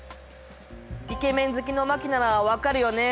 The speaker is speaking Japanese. イケメン好きの麻貴なら分かるよね？